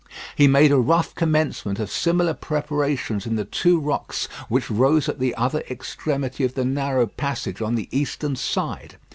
He made a rough commencement of similar preparations in the two rocks which rose at the other extremity of the narrow passage on the eastern side.